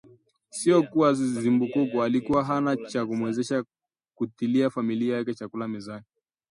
Sio kuwa Zumbukuku alikuwa hana cha kumwezesha kutilia familia yake chakula mezani,